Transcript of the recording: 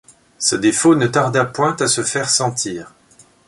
Ce défaut ne tarda point à se faire sentir.